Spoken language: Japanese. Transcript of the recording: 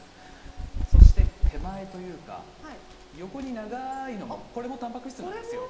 そして手前というか横に長いのもこれもタンパク質なんですよ。